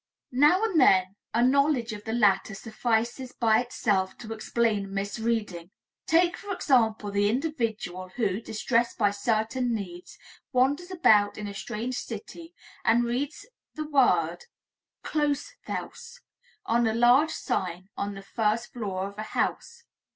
Now and then a knowledge of the latter suffices by itself to explain the misreading. Take, for example, the individual who, distressed by certain needs, wanders about in a strange city and reads the word "Closethaus" on a large sign on the first floor of a house.